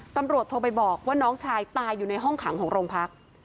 ตำรวจโทรไปบอกว่าน้องชายตายอยู่ในห้องขังของโรงพัก